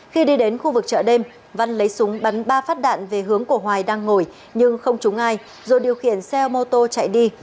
khi đi đến khu vực chợ đêm văn lấy súng bắn ba phát đạn về hướng của hoài đang ngồi nhưng không trúng ai rồi điều khiển xe mô tô chạy đi